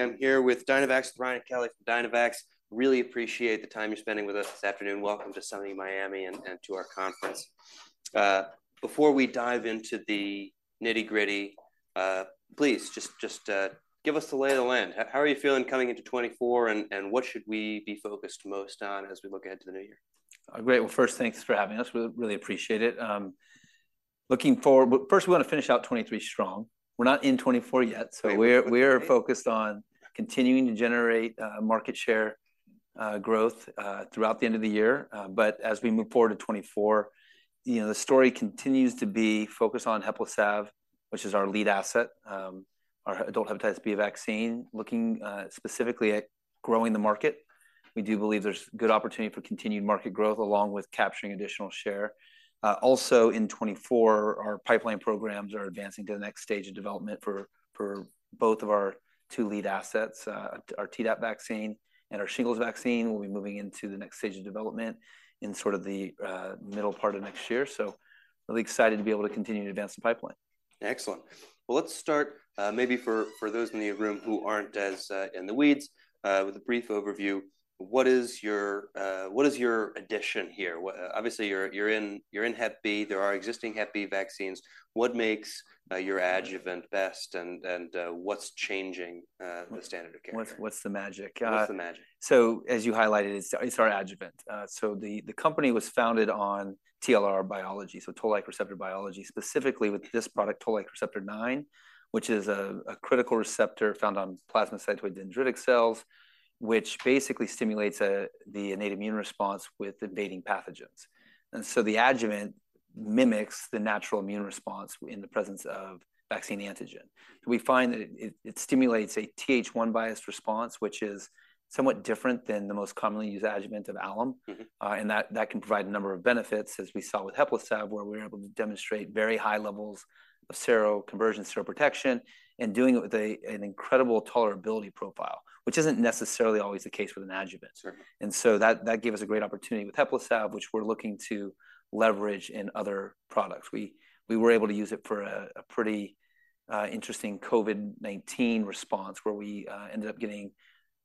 I'm here with Dynavax, Ryan and Kelly from Dynavax. Really appreciate the time you're spending with us this afternoon. Welcome to sunny Miami and to our conference. Before we dive into the nitty-gritty, please just give us the lay of the land. How are you feeling coming into 2024, and what should we be focused most on as we look ahead to the new year? Great. Well, first, thanks for having us. We really appreciate it. But first, we want to finish out 2023 strong. We're not in 2024 yet, so- Right. We're, we're focused on continuing to generate, market share, growth, throughout the end of the year. But as we move forward to 2024, you know, the story continues to be focused on HEPLISAV, which is our lead asset, our adult hepatitis B vaccine. Looking, specifically at growing the market, we do believe there's good opportunity for continued market growth, along with capturing additional share. Also in 2024, our pipeline programs are advancing to the next stage of development for both of our two lead assets. Our Tdap vaccine and our shingles vaccine will be moving into the next stage of development in sort of the middle part of next year. So really excited to be able to continue to advance the pipeline. Excellent. Well, let's start, maybe for those in the room who aren't as in the weeds, with a brief overview. What is your... what is your addition here? Well, obviously, you're in Hep B. There are existing Hep B vaccines. What makes your adjuvant best, and what's changing the standard of care? What's the magic? What's the magic? So, as you highlighted, it's our adjuvant. So the company was founded on TLR biology, so toll-like receptor biology, specifically with this product, Toll-like receptor 9, which is a critical receptor found on plasmacytoid dendritic cells, which basically stimulates the innate immune response with invading pathogens. And so the adjuvant mimics the natural immune response within the presence of vaccine antigen. We find that it stimulates a Th1-biased response, which is somewhat different than the most commonly used adjuvant of alum. Mm-hmm. and that can provide a number of benefits, as we saw with HEPLISAV, where we were able to demonstrate very high levels of seroconversion, seroprotection, and doing it with an incredible tolerability profile, which isn't necessarily always the case with an adjuvant. Sure. And so that, that gave us a great opportunity with HEPLISAV, which we're looking to leverage in other products. We, we were able to use it for a, a pretty, interesting COVID-19 response, where we, ended up getting,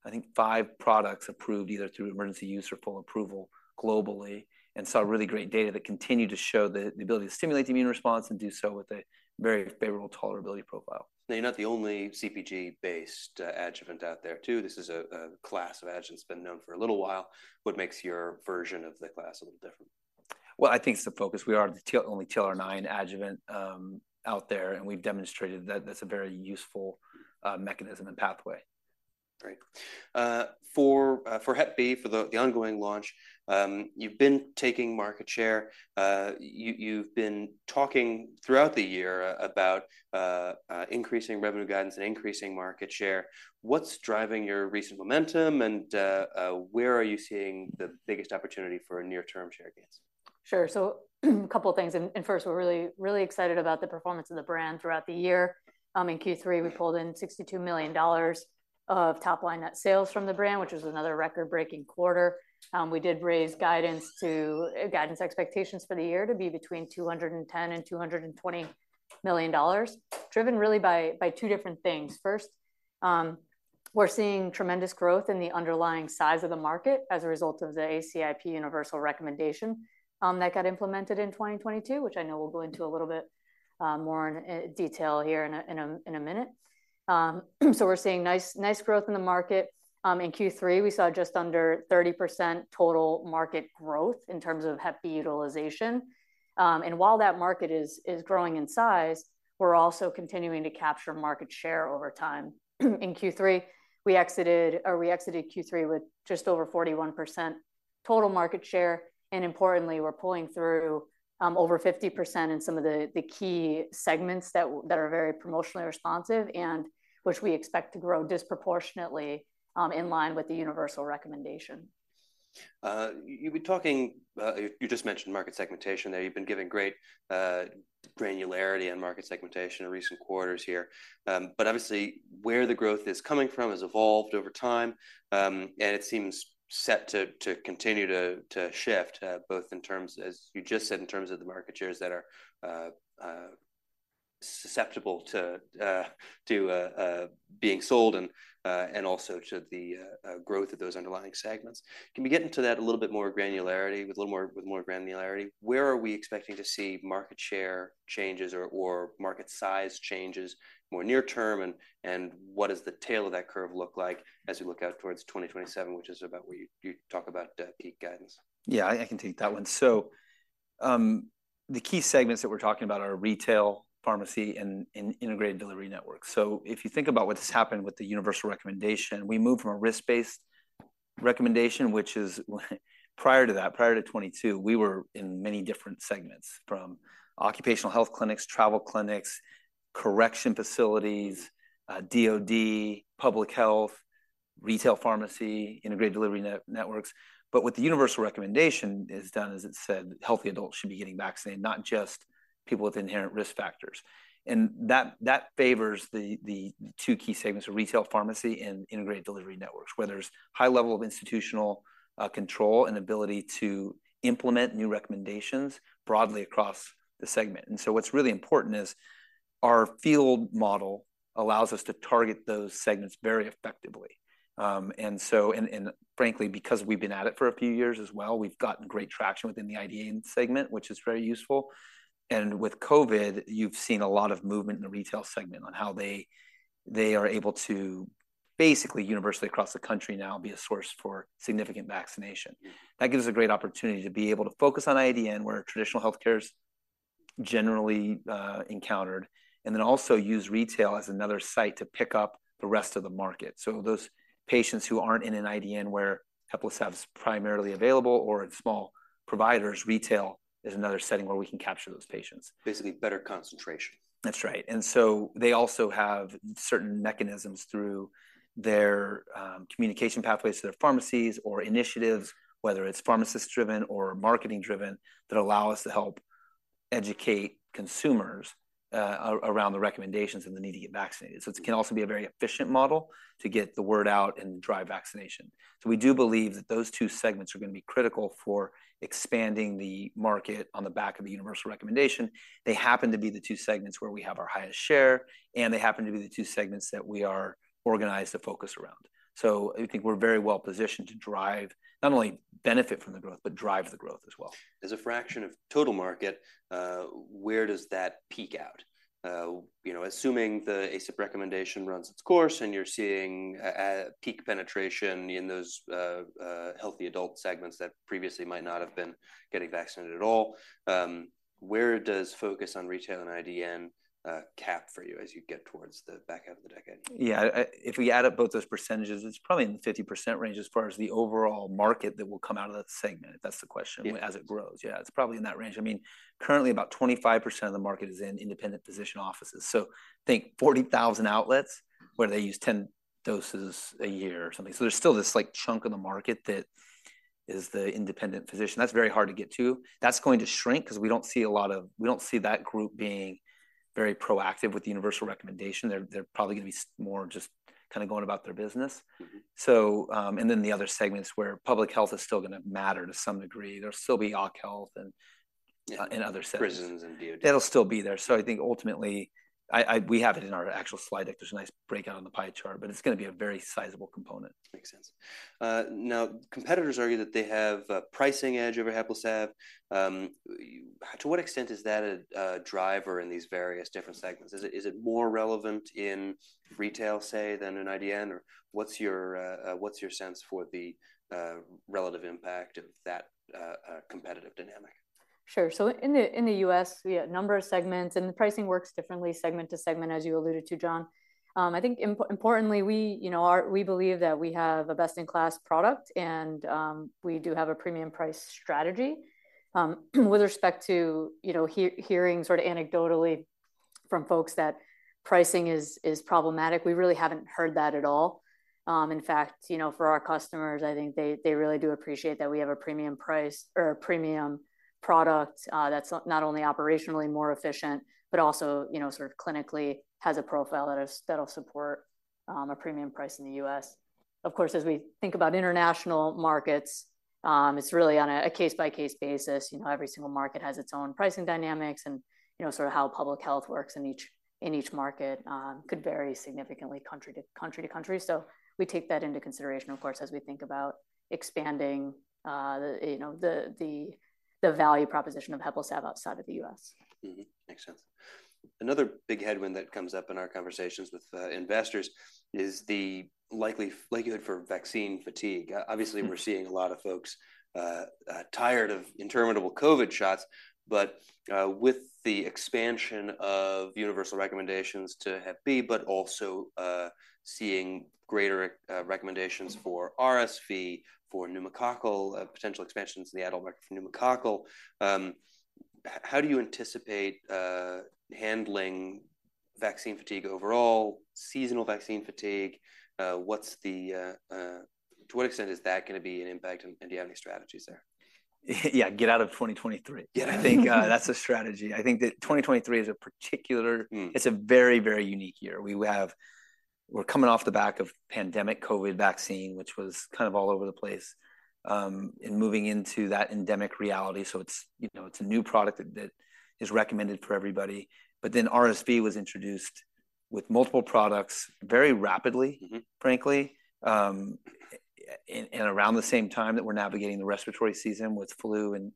I think, five products approved, either through emergency use or full approval globally, and saw really great data that continued to show the, the ability to stimulate the immune response and do so with a very favorable tolerability profile. Now, you're not the only CpG-based adjuvant out there, too. This is a class of adjuvant that's been known for a little while. What makes your version of the class a little different? Well, I think it's the focus. We are the only TLR9 adjuvant out there, and we've demonstrated that that's a very useful mechanism and pathway. Great. For Hep B, for the ongoing launch, you've been taking market share. You've been talking throughout the year about increasing revenue guidance and increasing market share. What's driving your recent momentum, and where are you seeing the biggest opportunity for a near-term share gains? Sure. So a couple of things, and, and first, we're really, really excited about the performance of the brand throughout the year. In Q3, we pulled in $62 million of top-line net sales from the brand, which was another record-breaking quarter. We did raise guidance expectations for the year to be between $210 million and $220 million, driven really by, by two different things. First, we're seeing tremendous growth in the underlying size of the market as a result of the ACIP universal recommendation, that got implemented in 2022, which I know we'll go into a little bit, more in detail here in a minute. So we're seeing nice, nice growth in the market. In Q3, we saw just under 30% total market growth in terms of Hep B utilization. And while that market is growing in size, we're also continuing to capture market share over time. In Q3, we exited Q3 with just over 41% total market share, and importantly, we're pulling through over 50% in some of the key segments that are very promotionally responsive and which we expect to grow disproportionately in line with the universal recommendation. You've been talking, you just mentioned market segmentation there. You've been giving great, granularity on market segmentation in recent quarters here. But obviously, where the growth is coming from has evolved over time, and it seems set to continue to shift, both in terms, as you just said, in terms of the market shares that are susceptible to being sold and also to the growth of those underlying segments. Can we get into that a little bit more granularity- with a little more, with more granularity? Where are we expecting to see market share changes or market size changes more near term, and what does the tail of that curve look like as we look out towards 2027, which is about where you talk about peak guidance? Yeah, I, I can take that one. So, the key segments that we're talking about are retail, pharmacy, and integrated delivery network. So if you think about what has happened with the universal recommendation, we moved from a risk-based recommendation, which is prior to that, prior to 2022, we were in many different segments, from occupational health clinics, travel clinics, correctional facilities, DoD, public health, retail pharmacy, integrated delivery networks. But what the universal recommendation has done is it said healthy adults should be getting vaccinated, not just people with inherent risk factors, and that, that favors the, the two key segments of retail pharmacy and integrated delivery networks, where there's high level of institutional control and ability to implement new recommendations broadly across the segment. And so what's really important is our field model allows us to target those segments very effectively.... Frankly, because we've been at it for a few years as well, we've gotten great traction within the IDN segment, which is very useful. And with COVID, you've seen a lot of movement in the retail segment on how they are able to basically universally across the country now be a source for significant vaccination. Yeah. That gives us a great opportunity to be able to focus on IDN, where traditional healthcare is generally encountered, and then also use retail as another site to pick up the rest of the market. So those patients who aren't in an IDN where HEPLISAV is primarily available or in small providers, retail is another setting where we can capture those patients. Basically, better concentration. That's right. And so they also have certain mechanisms through their communication pathways to their pharmacies or initiatives, whether it's pharmacist-driven or marketing-driven, that allow us to help educate consumers around the recommendations and the need to get vaccinated. So it can also be a very efficient model to get the word out and drive vaccination. So we do believe that those two segments are gonna be critical for expanding the market on the back of the universal recommendation. They happen to be the two segments where we have our highest share, and they happen to be the two segments that we are organized to focus around. So I think we're very well positioned to drive, not only benefit from the growth, but drive the growth as well. As a fraction of total market, where does that peak out? You know, assuming the ACIP recommendation runs its course, and you're seeing a peak penetration in those healthy adult segments that previously might not have been getting vaccinated at all, where does focus on retail and IDN cap for you as you get towards the back end of the decade? Yeah, if we add up both those percentages, it's probably in the 50% range as far as the overall market that will come out of that segment, if that's the question. Yeah... as it grows. Yeah, it's probably in that range. I mean, currently, about 25% of the market is in independent physician offices, so I think 40,000 outlets where they use 10 doses a year or something. So there's still this, like, chunk of the market that is the independent physician. That's very hard to get to. That's going to shrink 'cause we don't see a lot of-- we don't see that group being very proactive with the universal recommendation. They're probably gonna be more just kinda going about their business. Mm-hmm. So, and then the other segments where public health is still gonna matter to some degree. There'll still be Occ Health and. Yeah... in other settings. Prisons and DoD. It'll still be there. So I think ultimately, we have it in our actual slide deck. There's a nice breakdown on the pie chart, but it's gonna be a very sizable component. Makes sense. Now, competitors argue that they have a pricing edge over HEPLISAV. To what extent is that a driver in these various different segments? Is it more relevant in retail, say, than an IDN, or what's your sense for the relative impact of that competitive dynamic? Sure. So in the U.S., we have a number of segments, and the pricing works differently segment to segment, as you alluded to, John. I think importantly, we, you know, believe that we have a best-in-class product, and we do have a premium price strategy. With respect to, you know, hearing sort of anecdotally from folks that pricing is problematic, we really haven't heard that at all. In fact, you know, for our customers, I think they really do appreciate that we have a premium price or a premium product, that's not only operationally more efficient, but also, you know, sort of clinically has a profile that'll support a premium price in the U.S. Of course, as we think about international markets, it's really on a case-by-case basis. You know, every single market has its own pricing dynamics, and, you know, sort of how public health works in each market could vary significantly country to country to country. So we take that into consideration, of course, as we think about expanding, you know, the value proposition of HEPLISAV outside of the U.S. Mm-hmm. Makes sense. Another big headwind that comes up in our conversations with investors is the likelihood for vaccine fatigue. Obviously- Mm... we're seeing a lot of folks tired of interminable COVID shots, but with the expansion of universal recommendations to Hep B, but also seeing greater recommendations for RSV, for pneumococcal, potential expansions in the adult market for pneumococcal, how do you anticipate handling vaccine fatigue overall, seasonal vaccine fatigue? To what extent is that gonna be an impact, and, and do you have any strategies there? Yeah, get out of 2023. Yeah. I think that's a strategy. I think that 2023 is a particular- Mm. It's a very, very unique year. We're coming off the back of pandemic COVID vaccine, which was kind of all over the place, and moving into that endemic reality, so it's, you know, it's a new product that, that is recommended for everybody. But then RSV was introduced with multiple products very rapidly- Mm-hmm... frankly, and around the same time that we're navigating the respiratory season with flu and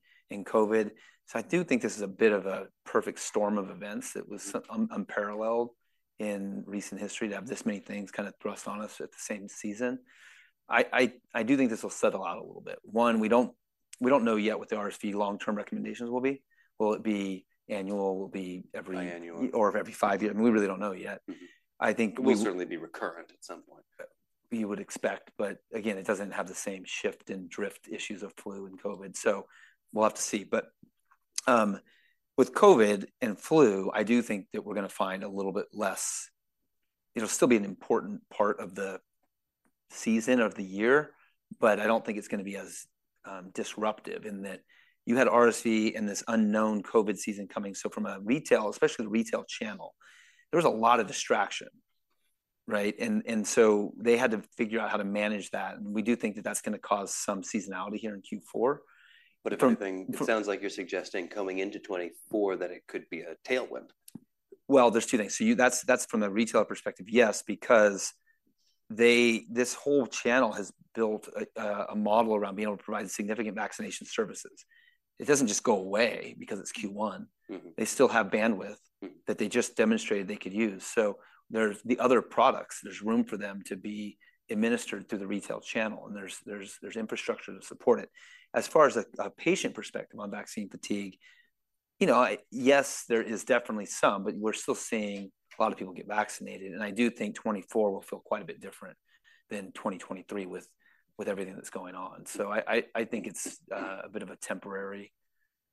COVID. So I do think this is a bit of a perfect storm of events that was unparalleled in recent history to have this many things kind of thrust on us at the same season. I do think this will settle out a little bit. One, we don't know yet what the RSV long-term recommendations will be. Will it be annual? Will it be every- Biannual. Or every five years? I mean, we really don't know yet. Mm-hmm. I think we- It will certainly be recurrent at some point. We would expect, but again, it doesn't have the same shift and drift issues of flu and COVID, so we'll have to see. But, with COVID and flu, I do think that we're gonna find a little bit less... It'll still be an important part of the season, of the year, but I don't think it's gonna be as, disruptive in that you had RSV and this unknown COVID season coming. So from a retail, especially the retail channel, there was a lot of distraction, right? And, and so they had to figure out how to manage that, and we do think that that's gonna cause some seasonality here in Q4. But from- But it sounds like you're suggesting coming into 2024, that it could be a tailwind?... Well, there's two things. So you—that's from a retail perspective, yes, because they, this whole channel has built a model around being able to provide significant vaccination services. It doesn't just go away because it's Q1. Mm-hmm. They still have bandwidth- Mm. That they just demonstrated they could use. So there's the other products, there's room for them to be administered through the retail channel, and there's infrastructure to support it. As far as a patient perspective on vaccine fatigue, you know, I... Yes, there is definitely some, but we're still seeing a lot of people get vaccinated. And I do think 2024 will feel quite a bit different than 2023, with everything that's going on. So I think it's a bit of a temporary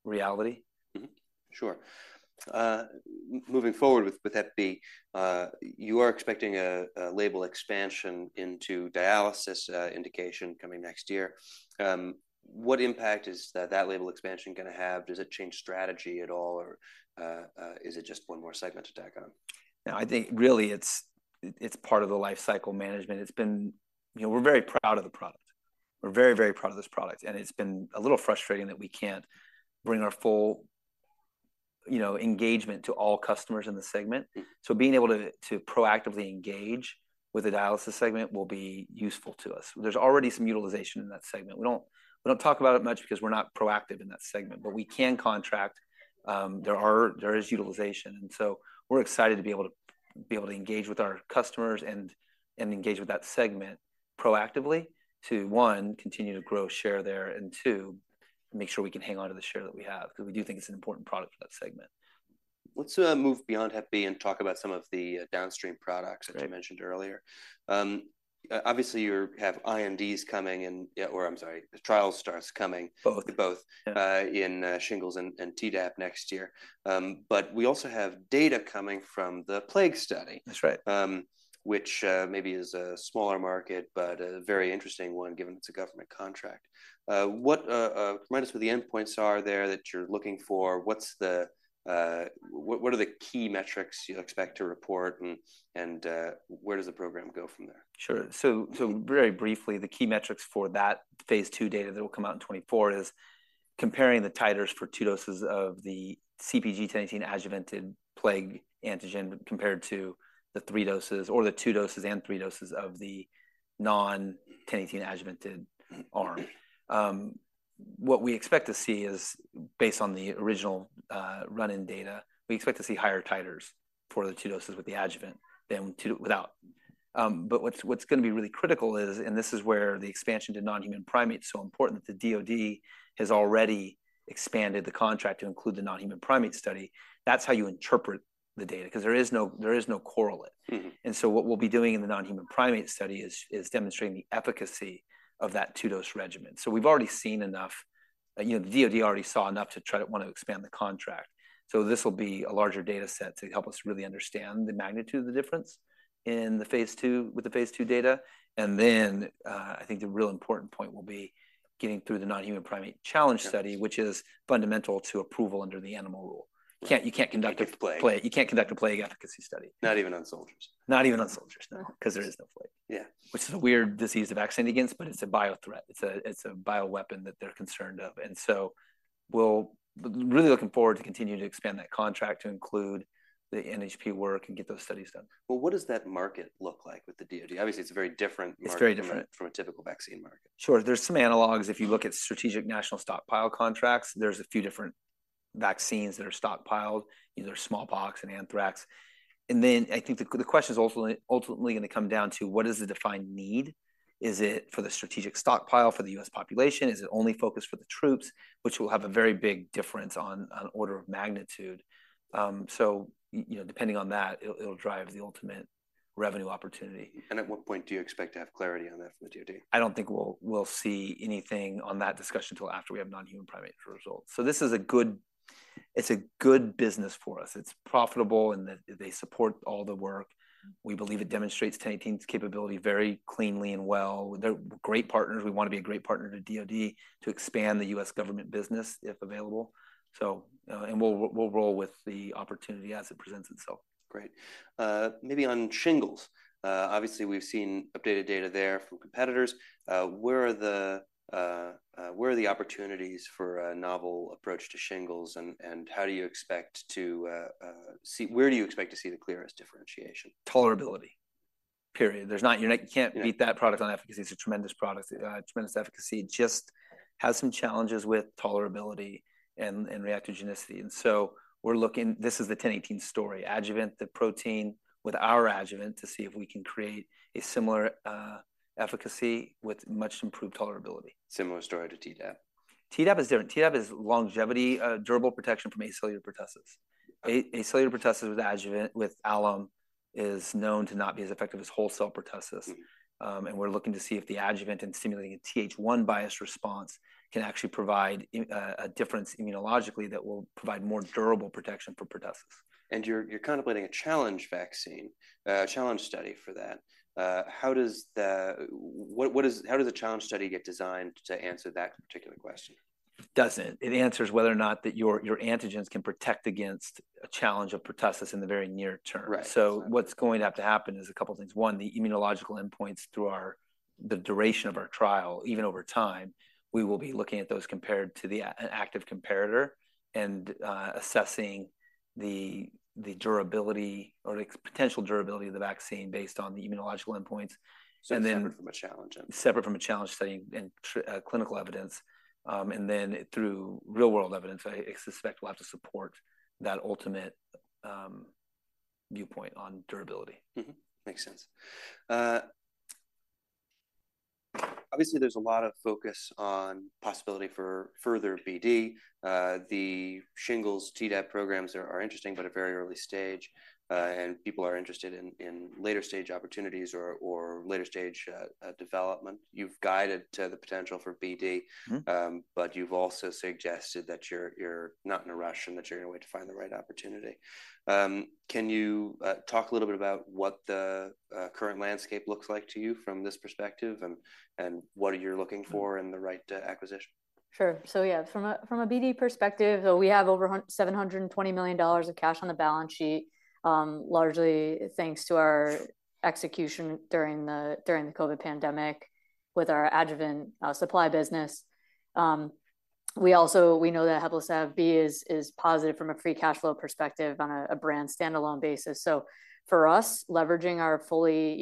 reality. Mm-hmm. Sure. Moving forward with Hep B, you are expecting a label expansion into dialysis indication coming next year. What impact is that label expansion gonna have? Does it change strategy at all, or is it just one more segment to tack on? No, I think really, it's, it's part of the life cycle management. It's been... You know, we're very proud of the product. We're very, very proud of this product, and it's been a little frustrating that we can't bring our full, you know, engagement to all customers in the segment. Mm. So being able to proactively engage with the dialysis segment will be useful to us. There's already some utilization in that segment. We don't talk about it much because we're not proactive in that segment, but we can contract. There is utilization. And so we're excited to be able to engage with our customers and engage with that segment proactively to one, continue to grow share there, and two, make sure we can hang on to the share that we have, 'cause we do think it's an important product for that segment. Let's move beyond Hep B and talk about some of the downstream products- Great. -that you mentioned earlier. Obviously, you have INDs coming and, yeah, or I'm sorry, the trial starts coming- Both. -both, uh, Yeah in shingles and Tdap next year. But we also have data coming from the plague study. That's right... which maybe is a smaller market, but a very interesting one, given it's a government contract. Remind us what the endpoints are there that you're looking for. What are the key metrics you expect to report, and where does the program go from there? Sure. So very briefly, the key metrics for that phase II data that will come out in 2024 is comparing the titers for two doses of the CpG-1018 adjuvanted plague antigen, compared to the three doses or the two doses and three doses of the non-CpG-1018 adjuvanted arm. What we expect to see is, based on the original run-in data, we expect to see higher titers for the two doses with the adjuvant than two without. But what's gonna be really critical is, and this is where the expansion to non-human primates is so important, that the DoD has already expanded the contract to include the non-human primate study. That's how you interpret the data, 'cause there is no correlate. Mm-hmm. And so what we'll be doing in the non-human primate study is demonstrating the efficacy of that two-dose regimen. So we've already seen enough... You know, the DoD already saw enough to try to want to expand the contract. So this will be a larger data set to help us really understand the magnitude of the difference in the phase II- with the phase II data. And then, I think the real important point will be getting through the non-human primate challenge study- Got it... which is fundamental to approval under the Animal Rule. You can't conduct a- Plague. Plague. You can't conduct a plague efficacy study. Not even on soldiers. Not even on soldiers, no, 'cause there is no plague. Yeah. Which is a weird disease to vaccinate against, but it's a biothreat. It's a bioweapon that they're concerned of, and so we'll really looking forward to continuing to expand that contract to include the NHP work and get those studies done. Well, what does that market look like with the DoD? Obviously, it's a very different market- It's very different.... from a typical vaccine market. Sure. There's some analogues. If you look at strategic national stockpile contracts, there's a few different vaccines that are stockpiled, either smallpox and anthrax. And then I think the question is ultimately gonna come down to: What is the defined need? Is it for the strategic stockpile for the U.S. population? Is it only focused for the troops? Which will have a very big difference on order of magnitude. So you know, depending on that, it'll drive the ultimate revenue opportunity. At what point do you expect to have clarity on that from the DoD? I don't think we'll see anything on that discussion till after we have non-human primate results. So this is a good, it's a good business for us. It's profitable, and they support all the work. We believe it demonstrates 1018's capability very cleanly and well. They're great partners. We wanna be a great partner to DoD to expand the U.S. government business, if available. So... And we'll roll with the opportunity as it presents itself. Great. Maybe on shingles, obviously, we've seen updated data there from competitors. Where are the opportunities for a novel approach to shingles, and how do you expect to see... Where do you expect to see the clearest differentiation? Tolerability, period. There's not... You're not- Yeah. You can't beat that product on efficacy. It's a tremendous product, tremendous efficacy. Just has some challenges with tolerability and, and reactogenicity, and so we're looking... This is the 1018 story. Adjuvant, the protein with our adjuvant, to see if we can create a similar, efficacy with much improved tolerability. Similar story to Tdap? Tdap is different. Tdap is longevity, durable protection from acellular pertussis. Yeah. Acellular pertussis with adjuvant, with alum, is known to not be as effective as whole-cell pertussis. Mm. We're looking to see if the adjuvant and stimulating a Th1-biased response can actually provide a difference immunologically that will provide more durable protection for pertussis. You're contemplating a challenge vaccine, a challenge study for that. How does a challenge study get designed to answer that particular question? It doesn't. It answers whether or not that your antigens can protect against a challenge of pertussis in the very near term. Right. So what's going to have to happen is a couple things. One, the immunological endpoints through our, the duration of our trial, even over time, we will be looking at those compared to the an active comparator, and assessing the durability or the potential durability of the vaccine based on the immunological endpoints. And then- Separate from a challenge then. Separate from a challenge study and clinical evidence, and then through real-world evidence, I suspect we'll have to support that ultimate viewpoint on durability. Mm-hmm. Makes sense. Obviously, there's a lot of focus on possibility for further BD. The shingles Tdap programs are interesting, but a very early stage, and people are interested in later stage opportunities or later stage development. You've guided to the potential for BD- Mm-hmm. But you've also suggested that you're not in a rush and that you're going to wait to find the right opportunity. Can you talk a little bit about what the current landscape looks like to you from this perspective, and what you're looking for in the right acquisition? Sure. So yeah, from a BD perspective, we have over $720 million of cash on the balance sheet, largely thanks to our execution during the COVID pandemic with our adjuvant supply business. We also know that HEPLISAV-B is positive from a free cash flow perspective on a brand standalone basis. So for us, you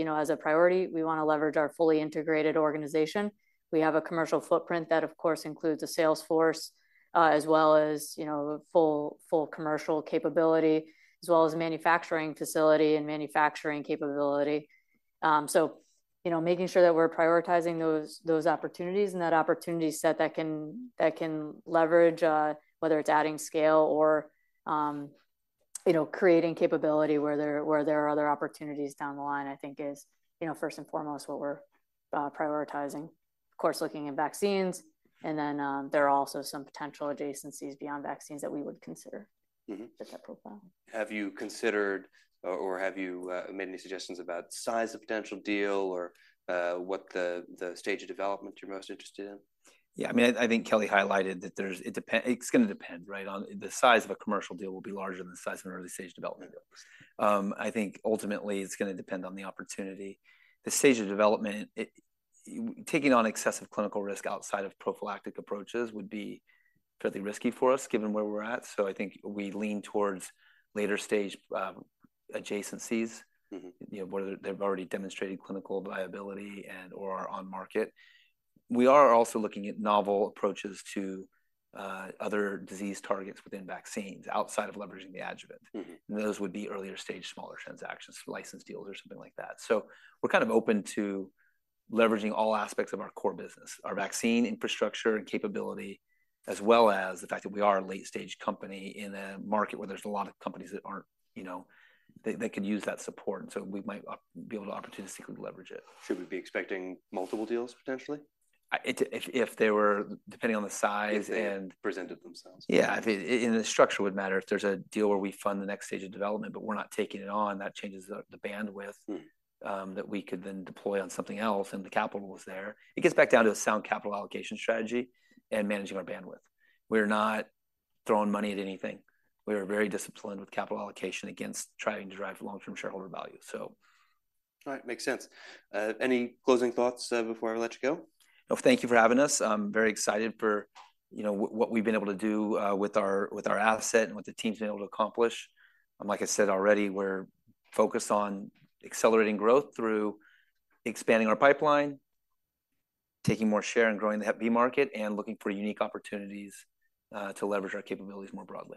know, as a priority, we wanna leverage our fully integrated organization. We have a commercial footprint that, of course, includes a sales force, as well as, you know, full commercial capability, as well as manufacturing facility and manufacturing capability. So, you know, making sure that we're prioritizing those, those opportunities and that opportunity set that can, that can leverage, whether it's adding scale or, you know, creating capability where there, where there are other opportunities down the line, I think is, you know, first and foremost what we're, prioritizing. Of course, looking at vaccines, and then, there are also some potential adjacencies beyond vaccines that we would consider. Mm-hmm. with that profile. Have you considered or have you made any suggestions about size of potential deal or what the stage of development you're most interested in? Yeah, I mean, I think Kelly highlighted that it's gonna depend, right? On the size of a commercial deal will be larger than the size of an early-stage development deals. I think ultimately, it's gonna depend on the opportunity. The stage of development, taking on excessive clinical risk outside of prophylactic approaches would be fairly risky for us, given where we're at, so I think we lean towards later-stage adjacencies. Mm-hmm... you know, whether they've already demonstrated clinical viability and/or are on market. We are also looking at novel approaches to other disease targets within vaccines, outside of leveraging the adjuvant. Mm-hmm. Those would be earlier-stage, smaller transactions, license deals, or something like that. So we're kind of open to leveraging all aspects of our core business, our vaccine infrastructure and capability, as well as the fact that we are a late-stage company in a market where there's a lot of companies that aren't, you know... They, they could use that support, so we might be able to opportunistically leverage it. Should we be expecting multiple deals, potentially? if, if they were... Depending on the size If they presented themselves. Yeah. I think and the structure would matter. If there's a deal where we fund the next stage of development, but we're not taking it on, that changes the bandwidth- Mm that we could then deploy on something else, and the capital is there. It gets back down to a sound capital allocation strategy and managing our bandwidth. We're not throwing money at anything. We are very disciplined with capital allocation against trying to drive long-term shareholder value, so. All right. Makes sense. Any closing thoughts, before I let you go? No, thank you for having us. I'm very excited for, you know, what we've been able to do, with our, with our asset and what the team's been able to accomplish. And like I said already, we're focused on accelerating growth through expanding our pipeline, taking more share and growing the Hep B market, and looking for unique opportunities, to leverage our capabilities more broadly.